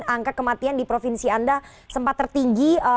angka kematian di provinsi anda sempat tertinggi